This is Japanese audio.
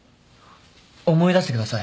思い出してください。